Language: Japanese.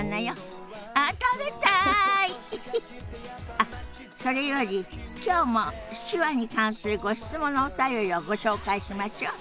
あっそれより今日も手話に関するご質問のお便りをご紹介しましょ。